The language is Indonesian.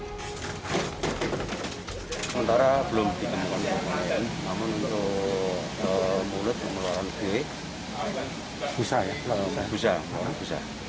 sementara belum dikembangkan untuk mulut pemeliharaan gusah gusah